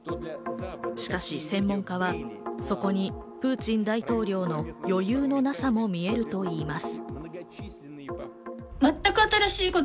しかし専門家は、そこにプーチン大統領の余裕のなさも見えると言います。